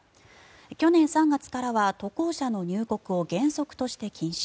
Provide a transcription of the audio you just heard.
去年３月からは渡航者の入国を原則として禁止。